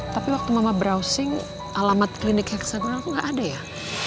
tapi waktu mama browsing alamat klinik heksagonal tuh gak ada ya